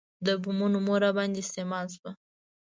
د بمونو مور راباندې استعمال شوه.